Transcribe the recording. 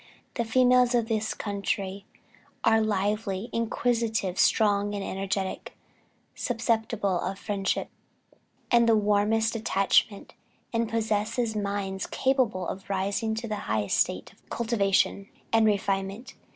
"The females of this country are lively, inquisitive, strong and energetic, susceptible of friendship and the warmest attachment, and possess minds capable of rising to the highest state of cultivation and refinement....